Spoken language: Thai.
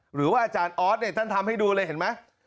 หรือว่าอาจารย์ออสเนี่ยท่านทำให้ดูเลยเห็นไหม